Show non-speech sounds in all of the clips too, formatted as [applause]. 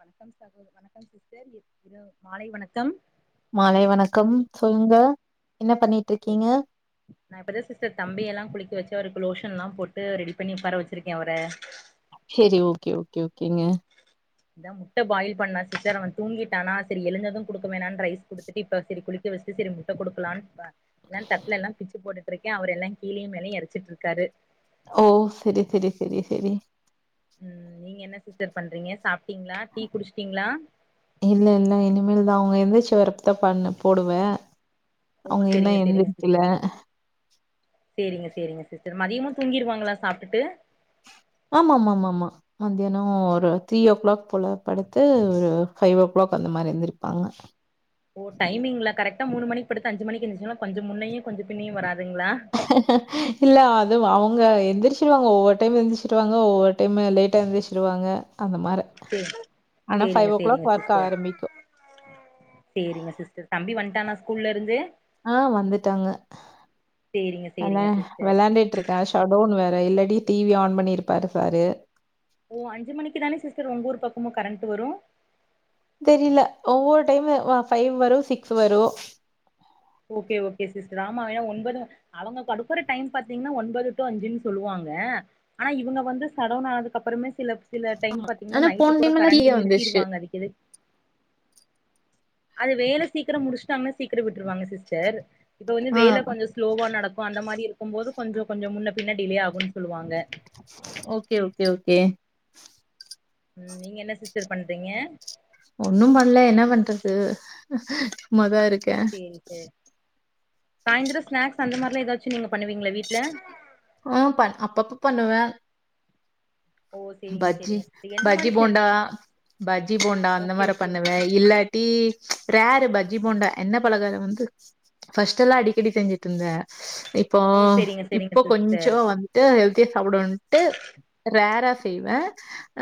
வணக்கம் சகோ வணக்கம் சிஸ்டர் இ இர மாலை வணக்கம் மாலை வணக்கம் சொல்லுங்க என்ன பண்ணிட்டு இருக்கீங்க நா இப்பதா சிஸ்டர் தம்பியலா குளிக்க வச்சு அவருக்கு லோஷ ன்லா போட்டு ரெடி பண்ணி உக்கார வச்சிருக்கே அவர சேரி ஓகே ஓகே ஓகேங்க இதா முட்ட பாயில் பண்ணலா சிஸ்டர் அவன் தூங்கிட்டானா சேரி எழுந்தது குடுக்க வேணானு ரைஸ் குடுத்துட்டு இப்ப சேரி குளிக்க சேரி சேரி முட்ட குடுக்கலான்னு பா எல்லா தட்ல எல்லா பிச்சு போட்டுட்டு இருக்கே அவர் எல்லா கீழயு மேலயு எரச்சிட்டு இருக்காரு ஓ செரி செரி செரி செரி ம் நீங்க என்ன சிஸ்டர் பண்றீங்க சாப் இல்ல இல்ல இனிமே தா அவுங்க எந்திருச்சு வர [unintelligible] ஓ போடுவேஅவுங்க இன்னு செரிங்க செரிங்க எந்திரிக்கில சிஸ்டர் சேரிங்க சேரிங்க சிஸ்டர் மதியமு தூங்கிருவாங்களா சாப்ட்டுட்டு ஆமா ஆமா ஆமா ஆமா மதியானோ ஒரு த்ரீ ஓ க்ளாக் போல படுத்து ஒரு ஃபைவ் ஓ க்ளாக் அந்த மாரி எந்திருப்பாங்க ஓ டைமிங்ல கரெக்ட்டா மூணுமணிக்கு படுத்து அஞ்சுமணிக்கு எந்துச்சு கொஞ்சோ முன்னயு கொஞ்சோ பின்னயு வராது இல்ல அது அ வுங்க எந்திருச்சிருவாங்க ஒவ்வொரு டைம் எந்திருச்சிருவாங்க ஒவ்வொரு டைம்மு லேட்டா எந்திருச்சிருவாங்க அந்த மாரி சேரி ஆனா சேரிங்க ஃபைவ்வோ சேரிங்க க்ளாக் ஒர்க் சிஸ்டர் ஆரம்பிக்கூ சேரிங்க சிஸ்டர் தம்பி வந்ட்டானா ஸ்கூல்லருந்து ஆ வந்துட்டாங்க சேரிங்க வெளா சேரிங்க சிஸ்டர் வெளயாண்டுட்டு இருக்கா ஷடோன் வேற இல்லாட்டி டீவி ஆன் பண்ணிருப்பாரு சாரு ஓ அஞ்சு மணிக்கு தானே சிஸ்டர் உங்க ஊர் பக்கமு கரண்ட்டு வரூ தெரில ஒவ்வொரு டைம்மு ஃபைவ் வரூ சிக்ஸ் வரூ ஓகே ஓகே சிஸ்டர் ஆமா ஒம்பது அவுங்க கொடுக்குற டைம் பாத்தீங்கன்னா ஒன்பது டூ அஞ்சுன்னு சொல்லுவாங்க க ஆனா இவுங்க வந்து சடோன் ஆனதுக்கு அப்றமே சில சில டைம் பாத்தீங்கனா ஆனா நைட்டு போன கூட டைம்லாம் கரண்ட் ஃப்ரீயா வந்துருச்சு. நிறுத்தீருவாங்க அதுக்கிது அது வேல சீக்ரோ முடிச்சுட்டாங்கன்னா சீக்ரோ விட்டுருவாங்க சிஸ்டர் இப்ப வந்து ஆ வேல கொஞ்சோ ஸ்லோவா நடக்கூ கும் அந்த மாரி இருக்கும் போது கொஞ்சோ‌ கொஞ்சோ முன்ன பின்ன டிலே ஆகூ ஓகே ஓகே ஓகே ம் நீங்க என்ன சிஸ்டர் பண்றீங்க ஒன்னு பண்ல என்ன பண்றது சும்மாதா இரு சேரி சேரி சாய்ந்தர ஸ்நாக்ஸ் அந்த மாரிலா எதாச்சு நீங்க பண்ணுவீங்களா வீட்ல ம் பண் அப்பப்ப பண்ணுவே ஓ சேரிங்க பஜ்ஜி சேரிங்க சிஸ்டர் என்ன பஜ்ஜி மாரி ச போண்டா பஜ்ஜி போண்டா அந்த ஓகே மாரி ஓகே பண்ணுவே இல்லாட்டி ரேரு பஜ்ஜி போண்டா என்ன பலகாரம் வந்து ஃபஸ்ட் எல்லா அடிக்கடி செஞ்சுட்டு இருந்தே இப்போ ஓ சேரிங்க சேரிங்க இப்போ கொஞ்சோ சிஸ்டர் வந்துட்டு ஹெல்த்தியா சாப்டுவோன்ட்டு ரேரா செய்வே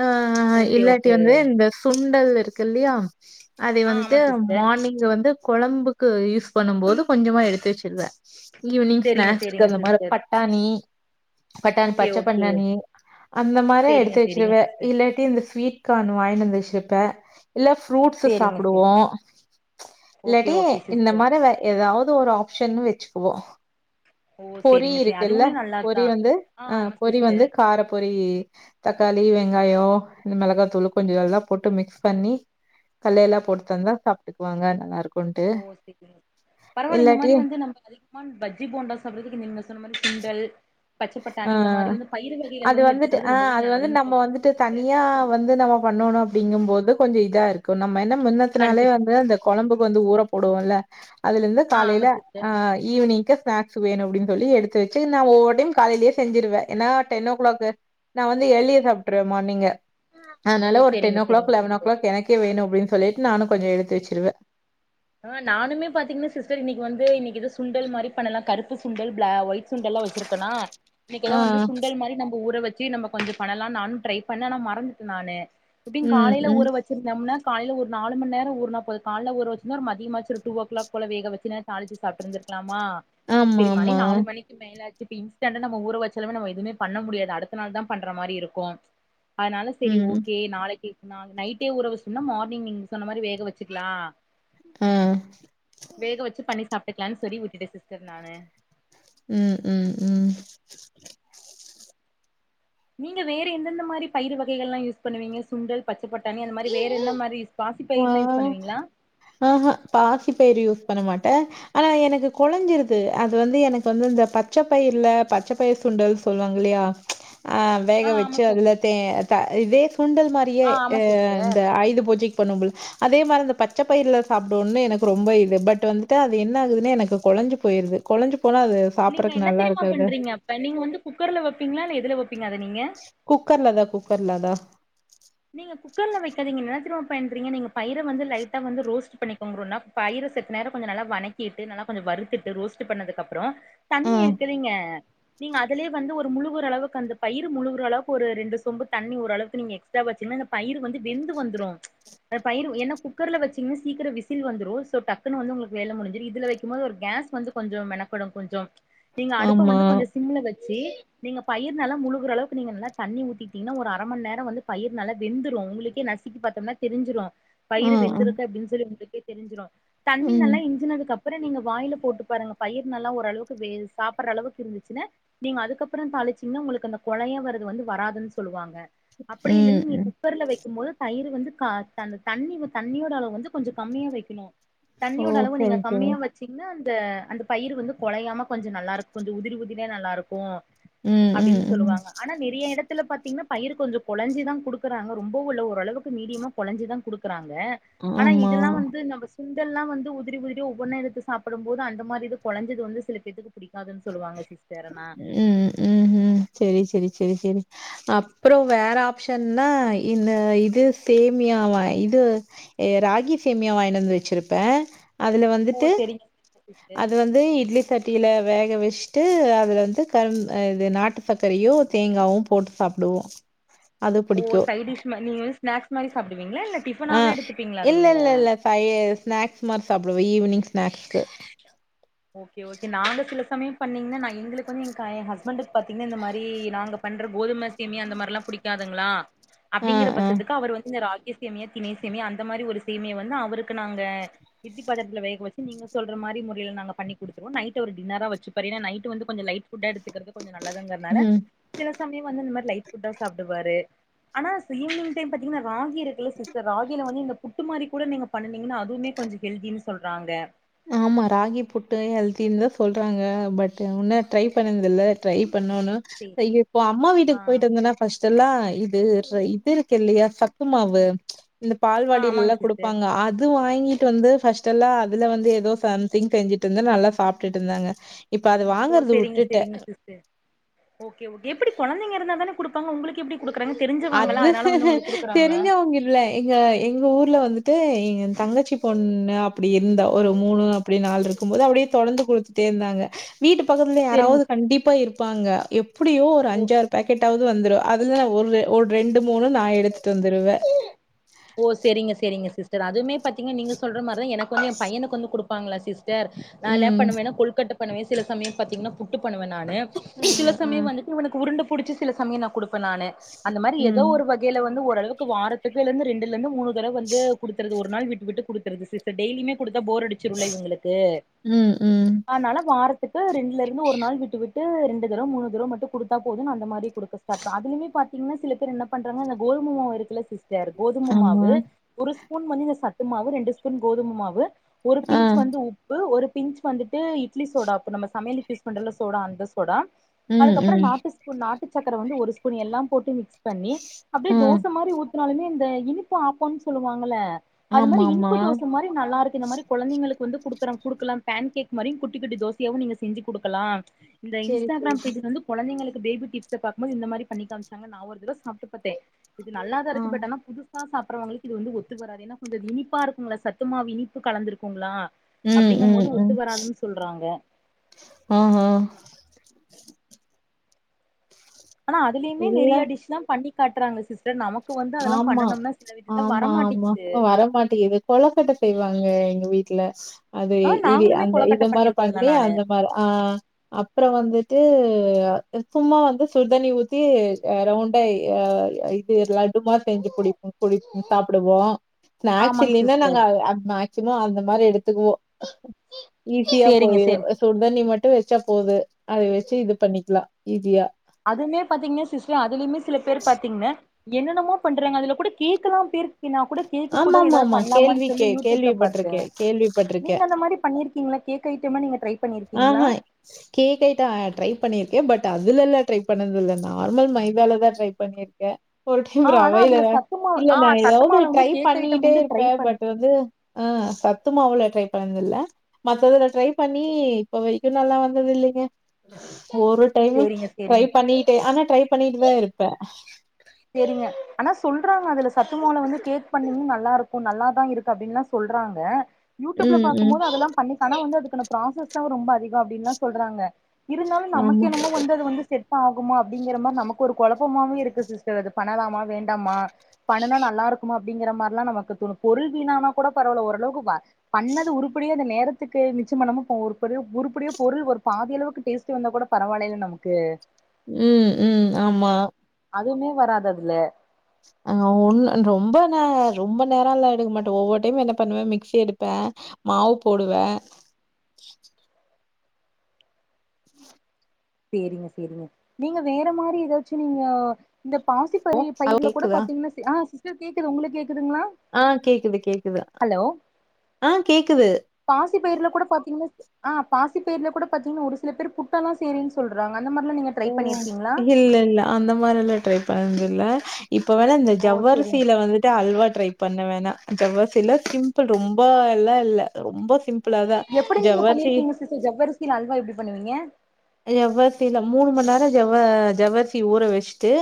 அ ஓகே இல்லாட்டி ஓகே வந்து இந்த சுண்டல் இருக்கு இல்லயா அதை ஆ வந்துட்டு ஆமா சிஸ்டர் மார்னிங் வந்து கொழம்புக்கு யூஸ் பண்ணும் போது கொஞ்சமா எடுத்து வெச்சிருவே ஈவினிங் சேரிங்க ஸ்நாக்ஸ்க்கு சேரிங்க அந்த மாரி சிஸ்டர் பட்டாணி பட்டாணி ஓகே பச்ச ஓகே பட்டாணி அந்த மாரி சேரிங்க எடுத்து சேரிங்க வெச்சிருவ சிஸ்டர் இல்லாட்டி இந்த ஸ்வீட் கானு வாங்கிட்டு வந்து வெச்சிருப்ப இல்ல ஃப்ரூட்ஸ்சு சேரிங்க சாப்டுவோ சிஸ் ம் ஓகே இல்லாட்டி ஓகே இந்த சிஸ்டர் மாரி எதாவ்து ஒரு ஆப்ஷனு வெச்சுக்குவோ ஓ பொறி சேரிங்க சே இருக்குல்ல அதுவுமே பொறி நல்லாதா வந்து ஆ அ ஆமா பொறி வந்து சிஸ்டர் கார பொறி தக்காளி வெங்காயோ இந்த மெளகாத்தூளு கொஞ்சோ இதெல்லா போட்டு மிக்ஸ் பண்ணி கல்லயெல்லா போட்டு தந்தா சாப்ட்டுக்குவாங்க நல்லா இருக்கு ஓ செரி பரவாயில்ல இந்த இல்லாட்டி மாரி வந்து நம்ப அதிகமா பஜ்ஜி போண்டா சாப்ட்றதுக்கு நீங்க சொன்ன மாரி இந்த சுண்டல் அ பச்சப்பட்டாணி இந்த மாரி வந்து பயிறு வகைகள் அது வந்து வந்துட்டு எடுத்துக்கிறது அ ரொம்பவே அது வந்து நல்லதுன்னு நம்ம சொல்றாங்க வந்துட்டு சிஸ்டர் தனியா வந்து நம்ம பண்ணோணு அப் டிங்கும் போது கொஞ்சோ இதா இருக்கு நம்ப என்ன முன்னத்துனாலே கண்டிப்பா வந்து அந்த கொழம்புக்கு வந்து ஊற போடுவோல்ல அதுல இருந்து ஆ காலையில ஆமா சிஸ்டர் அ ஈவினிங்கு ஸ்நாக்ஸ் வேணு அப்டின்னு சொல்லி எடுத்து வெச்சுனு நா ஒவ்வொரு டைம் காலையிலயே செஞ்சிடுவே ஏன்னா டென் ஓக்கிளாக்கு நா வந்து ஏர்ழிய சாப்ட்டுருவ மார்னிங்கு ஓ அதனால ஒரு டென் சேரிங்க சேரிங்க ஓக்கிளாக் லெவன் சிஸ்டர் ஓக்கிளாக் எனக்கே வேணு அப்டின்னு சொல்லிட் நானு கொஞ்சோ எடுத்து வெச்சிருவ அ நானுமே பாத்தீங்கன்னா சிஸ்டர் இன்னிக்கு வந்து இன்னிக்கு இது சுண்டல் மாரி பண்ணலா கருப்பு சுண்டல் பிளா ஒயிட் சுண்டல்லா வெச்சிருக்கனா இன்னிக்குதா ஆ வந்து சுண்டல் மாரி நம்ப ஊற வெச் சு நம்ம கொஞ்சோ பண்ணலா நானு டிரை பண்ண ஆனா மறந்துட்டு நானு எப்டியு ம் காலில ம் ஊற வெச்சிருந்தம்னா காலைல ஒரு நாலு மண் நேரோ ஊர்ணா போது கால்ல ஊர ருந்தா ஒரு மத்யமாச்சு ஒரு டூ ஓக்கிளாக் போல வேகவைச்சு இல்ல தாலிச்சு சாப்பிட்டு இருந்திருக்கலா அ ஆமா செரி மணி ஆமா நாலு மணிக்கு மேலாச்சு இப்ப இன்ஸ்டண்டா நம்ம ஊற வெச்சலமே நம்ம எதும பண்ண முடியாது அடுத்த நாள் தா பண்ற மாரி இருக்கு அதனால செரி ம் ஓகே நாளைக்கு நைட்டே ஊற வெச்சுடனா மார்னிங் நீங்க சொன்ன மாரி வேக வெச்சுக்லா ஆ வேக வெச்சு பண்ணி சாப்ட்டுக்கலானு சொல்லி விட்டுட்டே சிஸ்டர் நானு ம் ம் ம் நீங்க வேற எந்தெந்த மாரி பயிரு வகைகள் எல்லா யூஸ் பண்ணுவீங்க சுண்டல் பச்ச பட்டாணி அந்த மாரி வேற என்ன மாரி பாசி அ பயிர்லா யூஸ் பண்ணுவீங்களா ஆஹ பாசி பயிறு யூஸ் பண்ண மாட்ட ஆனா எனக்கு கொழஞ்சிருது அது வந்து எனக்கு வந்து இந்த பச்ச பயிருல்ல பச்ச பயர் சுண்டல் சொல்லுவாங்கலயா அ வேக ஆ ஆமா வெச்சு சிஸ் அதுல தே த இதே சுண்டல் மாரியே ஆ ஆமா அ சிஸ்டர் இந்த ஆயுத பூஜைக்கு பண்ணு போது அதே மாரி பச்ச பயிருல சாப்டோனுனு எனக்கு ரொம்ப இது பட் வந்துட்டு அது என்ன ஆகுதுன்ன எனக்கு கொழ கொழஞ்சி போயிருது கொழஞ்சு நீங்க என்ன தெரியுமா பண்றீங்க அப்ப நீங்க வந்து குக்கர்ல வைப்பீங்களா இல்ல எதுல வைப்பீங்க குக்கர்ல தா குக்கர்ல தா பண்ணுறீங்க நீ பயிர வந்து லைட்ட வந்து ரோஸ்ட் பண்ணிக்கோங்ணா பயிறு கொஞ்சோ நல்லா வணக்கிட்டு நல்லா கொஞ்சோ வரு வறுத்துட்டு ரோஸ்ட் பண்ணதுக்குப்புறோ ஆ. தண்ணி இருக்குதில்லிங்க நீங்க அதுலயே வந்து ஒரு முழுகுற அளவுக்கு அந்த பயிரு முழுகுற அளவுக்கு ஒரு ரெண்டு சொம்பு தண்ணி ஓரளவுக்கு நீங்க எ எக்ஸ்டா வெச்சிங்கன்னா இந்த பயிரு வந்து வெந்து வந்துரு இந்த பயிர எனா குக்கர்ல வெச்சீங்கன்னா சீக்கிரோ விசில் வந்துடு சோ டக்குன்னு வந்து உங்ளுக்கு வேல முடிஞ்சிறு இதுல வைக்கும் போது ஒரு கேஸ் கோஸ் வந்து கொஞ்சோ மெனக்கெடு கொஞ்சோ நீங்க அடுப்ப ஆமா. வந்து கொஞ்சோ சிம்ல வெச்சு நீங்க பயிரு நல்லா முழுகுற அளவு நீங்க நல்லா தண்ணி ஊத்திட்டீங்கன்னா ஒரு அர மண் நேரோ வந்து பயிறு நல்லா வெந்துரு உங்ளுக்கே நசிக்கி பாத்தம்னா தெரிஞ்சிரு ஆ, பயிர் ஆ. வெந்திருக்குகா அப்டின்னு சொல்லி உங்ளுக் தெரிஞ்சிரோம தண்ணி ம். நல்லா இஞ்சினதுக்கு அப் அப்ற நீங்க வாய்ல போட்டு பாருங்க பயிர் நல்ல ஓரளவுக்கு வேச் சாப்பற்றளவுக்கு இருந்துச்சுன்னு நீங்கதுக்கப்புறம் த வச்சிங்னா உங்களுக்கு கொழய வர்றது வந்து வராதுன்னு சொல்லுவாங்க அப்படி இல்ல ம், நீ ம். குக்கர்ல வைக்க போது தயிர் வந்து கா தண்ணி தண்ணியோட அளவு வந்து கொஞ்சம் கம்மியா வெக்கனு ஓ! தண்ணியோட அளவு நீங்க சரி, சரி. கம்மியா வச்சீங்கன்னா அ அந்த பயிர் வந்து குழையாம கொஞ்ச நல்லா இருக்கும் கொஞ்ச உதிர உதிரிதா நல்லாருக்கு ம், அப்டின்னு ம், ம். சொல்லுவாங்க ஆனா நெறைய இடத்துல பாத்தீங்கன்னா பயிர் கொஞ்சம் குழஞ்சி தா குடுக்குறாங்க ரொம்பவும் உள்ள ஓரளவுக்கு மீடியமா குழஞ்சி தா குடுக்குறாங்க ஆனா ஆமா. இதெல்லாம் வந்து நம்ம சுண்டல்லா வந்து உதிரி உதிரி ஒவ்வொன்னு எடுத்து சாப்படும் போது அந்த மாரி இது குழஞ்சது வந்து சில பேதுக்கு பிடிக்க ம் ம் ம் செரி செரி செரி செரி அப்புற வேற ஆப்ஷன்னா இந்த இது சேமியாவ இது ராகி சேமியா வாயின்டு வந்து வச்சிருப்பே அதுல ஓ வந்துட்டு செரிங்க சிஸ்டர் அது வந்து இட்லி சட்டியில வேக வச்சுட்டு அதுல வந்து கரும் இது நாட்டு சக்கரையோ தேங்காவும் போட்டு சாப்பிடுவோ ஆஹ [inaudible] ஓ சைட்டிஷ் ம நீங்க வந்து ஸ்நாக்ஸ் மாரி சாப்டுவீங்க ஆ இல்ல இல்ல இல்ல பைய ஸ்நாஸ் மாரி சாப் அப்றம் ஈவ்னிங் ஸ்நாக்ஸ் க்கு ஓகே ஓகே நாங்க சில சமயம் பண்ணீங்கன்னா எங்களுக்கு வந்து ஹஸ்பண்டு பாத்தீங்கன்னா இந்த மாரி நாங்க பண்ண கோதுமை சேமியா அந்த மாரில்லாம் பிடிக்காதுங்களா ஆ அப்படிங்கிற ஆ பட்சத்துக்கு அவர் வந்து இந்த ராகி சேமியா திணை சேமியா அந்த மாரி ஒரு சேமிய வந்து அவருக்கு நாங்க இட்லி பாத்ரத்துல வேக வச்சு நீங்க சொல்ற மா மாரி முறையில் நாங்க பண்ணி கொடுத்துருவோ நைட்டு அவர் டின்னரா வச்சப்பாரு ஏன்னா நாட்டு வந்து கொஞம் லைட் புட்டா எடுத்துக்கிறது கொஞ்ச நல்லதுங்றதுனால ம் சில சயம் வந்து இந்த மாதிரி லைட் புட்டா சாப்டுவாரு ஆனா ஈவினிங் டைம் பாத்தீங்கன ராகி இருக்குல்ல சிஸ்டர் ராகில வந்து இந்த புட்டு மாதிரி கூட நீங்க பண்ணுனீங்கனா அதுவுமே கொஞ்சோ ஹெல்தின்னு சொல்றாங்க ஆமா ராகி புட்டு ஹெல்தின்னு தான் சொல்றாங்க பட் உன்ன ட்ரை பண்ணது இல்ல ட்ரை பண்ணணு சே இப்போ அம்மா ஆ வீட்டுக்கு போயிட்டு வந்தேனா பஸ்ட் செல்லா இது இது இருக்கு இல்லையா சத்து மாவு இந்த ஆ பால்வாடில ஆமாங்க லாம் சிஸ்டர் கொடுப்பாங்க அது வாங்கிட்டு வந்து பர்ஸ்டெல்லாஎ அதுல வந்து ஏதோ சம்திங் செஞ்சுட்டு இருந்த நல்லா சாப்டுட்டு இருந்தாங்க இப்ப அது ஓ வாங்கறது செரிங்க உட்டுட்டேன். செரிங்க சிஸ்டர் ஓகே எப்படி குழந்தைங்க இருந்தா தானே குடுப்பாங்க உங்களுக்கு எப்படி அது தெரிஞ்சவங்க இல்ல எங்க எங்க ஊர்ல வந்து தான் ஏன் தங்கச்சி பொண்ணு அப்படி இருந்தா ஒரு மூணு அப்படி நாள் இருக்கும்போது அப்படியே தொடர்ந்து கொடுத்து இருந்தாங்க வீட்டு பக்கத்துல செரிங்க யாராவது சிஸ் கண்டிப்பா இருப்பாங்க எ எப்படியோ ஒரு ஓ அஞ்சாறு பேக்கெட்டாவது வந்துறு அதுலந்து நான் ஒரு ஒரு ரெண்டு மூணு நா எடுத்துட்டு வந்துருவே ஓ செரிங்க செரிங்க சிஸ்டர் அதுமே பாத்தீங்கா நீங்க சொல்ற மாதிரிதான் எனக்கு வந்து என் பையனுக்கு வந்து கொடுப்பாங்களா சிஸ்டர் டர் நாலாம் ம். பண்ணுவேன்ன்னா கொல்கட்டை பண்ணுவேன் சில சமயம் பாத்தீங்கன்னா புட்டு பண்ணுவ நானு அ, சில அ. சமயம் வந்துட்டு இவனுக்கு உருண்டு பிடிச்சு சில சமயம் நா கொடுப்ப இப்ப நானு அந்த மாரி ஏதோ ம். ஒரு வகையில வந்து ஓரளவுக்கு வாரத்துக்குள்ளருந்து ரெண்டுல இருந்து மூணு இந்த தடவ வந்து கொடுத்துறது ஒரு நாள் விட்டு விட்டு கொடுத்துறது சிஸ்டர் டெய்லியுமே கொடுத் போர் அடிச்சிருல இவங்களுக்கு ம், ம். அதனால வாரத் ரெண்டுல இருந்து ஒரு நாள் விட்டு விட்டு ரெண்டு தரவா மூணு தரவா மட்டும் கொடுத்தா போது அந்த மாரி கொடுக்க ஸ்டார்ட் பத்தீங்கன்னா சில பேர் என்ன பண்றாங்க இந்த கோலுமுமா இருக்கில்லா சிஸ்டர் கோதுமை ஆமா. மாவு ஒரு ஸ்பூன் மனித சத்து மாவு ரெண்டு ஸ்பூன் கோதுமை மாவு ஒரு ஆ. பின்ச் வந்து உப்பு ஒரு பி்ன்ச் வந்துட்டு இட்லி சோடா அப்ப நம்ம சமையலுக்கு யூஸ் பண்ற சோடா அந்த சோடா ம், அதுக்கப்புற ம். நாட்டு ஸ்பூன் நாட்டு சக்கர வந்து ஒரு ஸ்பூன் எல்லாம் போட்டு மிக்ஸ் பண்ணி அப்டியே ஆ. தோசை மாதிரி ஊத்தினாலுமே இந்த இனிப்பு ஆப்பபோம்னு சொல்லுவாங்கல அது மாதிரி ஆமாமா. இனிப்பு தோசை மாரி நல்லா இருக்கு இந்த மாதிரி குழந்தைங்களுக்கு வந்து குடுக்கறா குடுக்கலா பேன் கேக் மாரியு குட்டி குட்டி தோசையாவு நீங்க செஞ்சு குடுக்கலா இந்த சரி, சரி. இன்ஸ்டாகிராம் பேஜ் வந்து கொழந்தைங்களுக்கு பேபி டிப்ஸ்ல பாக்கும்போது இந்த மாரி பண்ணி காமிச்சாங்க நா ஒரு தடவ சாப்ட்டு பாத்தே இது நல்லாதா ஆ. இருக்கு பட் தா சாப்படறவங்களுக்கு இது வந்து ஒத்து வராது ஏனா கொஞ்சோ இனிப்பா இருக்குமல்ல சத்து மாவு இனிப்பு கலந்திருக்குங்களா ம், ம், அப்டிங்கும்போது ஒத்து ம். வராதுன்னு சொல்றாங்க ஆஹா. ஆனா அதுலிமே இல்ல. நெறயா டிஷ்ஷெல்லா பண்ணி காட்றாங்க சிஸ்டர் நம ஆமா ஆமாமா வரமாட்டேங்குது வரமாட்டிங்குது கொலக்கட்ட செய்வாங்க எங்க வீட்ல அது ஆனா இடி நாங்களுமே அந்த கொழக்கட்ட இத மாரி பண்ணிருக்கோ அதுல பண்ணி நானு அந்த மாரி ஆ அப்றோ வந்துட்டு அ சும்மா வந்து சுடுதண்ணி ஊத்தி ரவுண்டா இது புட்டு மாறி செஞ்சு புடிப் பிடிக்கு சாப்டுவோ ஸ்நாக்ஸ் ஆமாங்க இல்லினா நாங்க சிஸ்டர் அ மே சும்மா அந்த மாரி எடுத்துக்குவோ ஈஸியா சேரிங்க சேரி போய்ரு சுடுதண்ணி மட்டு ட்டு வெச்சா போது அத வெச்சு இது பண்ணிக்கலா ஈசியா அதுமே பாத்தீங்கன்னா சிஸ் அதிலயுமே சில பேர் பாத்தீங்க என்னென்னமோ பண்றாங்க அதுல கூட கேக்கெல்லா பேர் நா கூட கேக்கு கூட எதாவது ஆமாமாமா. பண்லாமன்னு கேள்வி சொல்லி கே யூடியூப்ல பாத்தேன் கேள்விப்பட்டுருக்கேன், கேள்விப்பட்டுருக்கேன். நீங்க அந்த மாரி பண்ணிருக்கீங்ளா கேக் ஐட்டமெல்லா நீங்க ட்ரை ஆஹ் பண்ணிருக்கீங்களா கேக் ஐட்டம் ட்ரை பண்ணியிருக்கே பட் அதுல எல்லா ட்ரை பண்ணது இல்ல நார்மல் மைதாலதா ட்ரை பண்ணிருக்கே ஒரு டைம் ஆ ஆனா ரவைல அதுல சத்துமா இல்ல ஆ நா எதாவது சத்துமாவுல வந்து ட்ரை கேக் ஐட்டம் பண்ணிட்டே வந்து ட்ரை இருப்ப பண் பட் வந்து சத்து மாவுல ட்ரை பண்ணதில்ல மத்ததுல ட்ரை பண்ணி இ இப்ப வரைக்கு நல்லா வந்தது இல்லைங்க ஒரு டம்மு சேரிங்க சேரிங்க ட்ரை பண்ணிட்டே ஆனா ட்ரை பண்ணிட்டுதா இருப்பே சத்துமாவுல வந்து கேக் பண்ணிங்க நல்லா இருக்கு நல்லாதா இருக்கு அப்டினெல்லா சொல்றாங்க யூடியூப்ல ம், ம். பாக்கும்போது அதெல்லா பண்ணித்தான வந்து அதுக்கான ப்ராசஸ்தா ரொம்ப அதிகோ அப்டின்னு எல்லா சொல்றாங்க இருந்தாலு நமக்கு ஆமா. என்னமோ வந்து அது வந்து செட் ஆகுமோ அப்டிங்கிற மாரி நமக்கு ஒரு கொழப்பமாவவே இருக்கு சிஸ் இது பண்ணலாமா வேண்டாமா பண்ணுனா நல்லா இருக்குமா அப்டிங்கிற மாரி எல்லா நமக்கு தோனு பொருள் வீணான கூட பரவால ஓரளவுக்கு பண்ணத உருப்படியா அந்த நேர த்துக்கு மிச்சம் பண்ணாம ஒரு பொருள் உருபடியா பொருள் ஒரு பாதி அளவுக்கு டேஸ்ட் வந்தா கூட பரவாயில்லல்ல நமக்கு ம் ம் ஆமா அதுமே வராது அதுல ஆ ஒண்ணு ரொம்ப நா ரொம்ப நேரோ எல்லா எடுக்க மாட்டே ஒவ்வோர் டயமு என்ன பண்ணுவே மிக்ஸி எடுப்பே மாவு போடுவே சேரிங் சேரிங் நீங்க வேற மாரி எதாச்சு நீங்க இந்த பாசி பறி அது பயிர்ல கூட கேக்குதா? பாத்தீங்கன்னா ஆ சிஸ்டர் கேக்குது உங்களுக்கு கே ஆ கேக்குது கேக்குது ஹலோ ஆ கேக்குது பாசி பயிர்ல கூட பாத்தீங்னா ஆ பாசி பயிர்ல கூட பாத்தீங்கன்னா ஒரு சில பேர் புட்டெல்லா செய்றேனு சொல்றாங்க அந்த மாரிலா நீங்க ட்ரை ஓ பண்ணிருக்கீங்களா இல்ல இல்ல அந்த மாரியெல்லா ட்ரை பண் இல்ல இப்ப வேணா இந்த ஓ சேரிங்க ஜவ்வரிசில வந்துட்டு அல்வா ட்ரை பண்ண வேணா ஜவ்வரிசில சிம்பிள் ரொம்ப எல்லா இல்ல ரொம்ப சிம்பிளாதா எப்டி நீங்க ஜவ்வரிசி பண்ணிருக்கீங்க சிஸ்டர் ஜவ்வரிசில அல்வா எப்டி பண்ணுவீங்க ஜவ்வரிசில மூணு மண் நேரோ ஜவ ஜவ்வரிசிய ஊற வெச்சிட்டு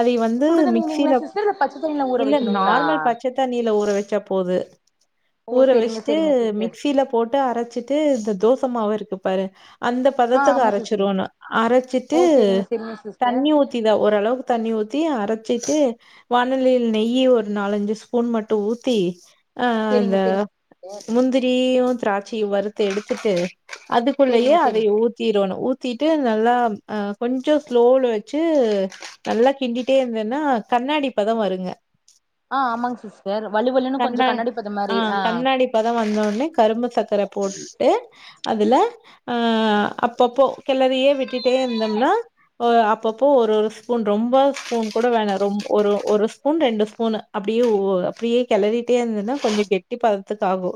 அதை வந்து சுடுதண்ணி இல்லைங்களா மிக்ஸில சிஸ்டர் இல்ல பச்ச தண்ணில ஊற இல்ல வைக்கணுங்களா நார்மல் பச்சத் தண்ணில ஊற வெச்சா போது ஓ ஊற சேரிங்க வெச்சிட்டு சேரிங்க சிஸ்டர் மிக்ஸில போட்டு அரச்சிட்டு இந்த தோசமாவு இருக்கு பாரு அந்த ஆ பதத்துக்கு ஆமா அர சிஸ்டர் ச்சிரோனு அரச்சிட்டு ஓ சேரிங்க சேரிங்க சிஸ்டர் தண்ணி ஊத்திதா ஓரளவுக்கு தண்ணி ஊத்தி அரச்சி ட்டு வானலைல நெய்யி ஒரு நாலஞ்சு ஸ்பூன் மட்டு ஊத்தி ஆ அந்த சேரிங்க சேரிங்க சிஸ்டர் முந்திரியு திராச்சயு வறுத்து எடுத்துட்டு அதுக்குள்ளயே சேரிங்க சேரிங்க அதை ஊத்திரோணு ஊ ஊத்திட்டு நல்லா கொஞ்ச ஸ்லோல வச்சு நல்லா கிண்டிட்டே இருந்தேனா கண்ணாடி பதோ வருங்க ஆ ஆமாங் சிஸ் கண்ணா ஆ கண்ணாடி பதோ வந்தோடனே கரும்பு சக்கர போட்டு அதுல ஆ அப்பபோ கெளறியே விட்டுட்டே இருந்தம்னா அப்ப போ ஒரு ஒரு ஸ்பூன் ரொம்ப ஸ்பூன் கூட வேண ரொம் ஒரு ஒரு ஸ்பூன் ரெண்டு ஸ்பூன் அப்டியே ஓ அப்டியே கெளறிட்டே இருந்தனா கொஞ்ச கெட்டி பதத்துக்கு ஆகு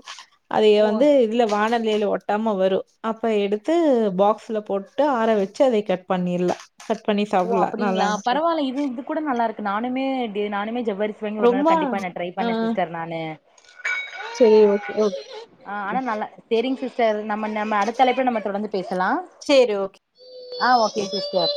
அதய ஓ வந்து இதுல வான லில ஒட்டாம வரு அப்ப எடுத்து பாக்ஸ்ல போட்டு ஆற வச்சு அதய கட் பண்ணிர்லா கட் பண்ணி ஓ சாப்புட்லா நல்லா அப்டிங்ளா இருந்துச்சு பரவால்ல இது இது கூட நல்லா இருக்கு நானுமே இப்டி நானுமே ஜவ்வரிசி வாங்கி ஒரு ரொம்ப நாள் கண்டிப்பா நா ட்ரை ஆ பண்ணே சிஸ்டர் நானு செரி ஓகே ஓகே ஆ ஆனா நல்லா சரிங் சிஸ்டர் நம்ம நம்ம அடுத்தழைப்புல நம்ம தொடர்ந்து பேசலா சேரி ஓகே ஆ ஓகே சிஸ்டர்